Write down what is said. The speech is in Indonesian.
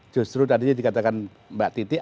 justru tadinya dikatakan mbak titi